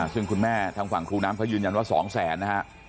ซึ่งคุณแม่ทางฝั่งครูน้ำเขายืนยันว่า๒แสนนะฮะ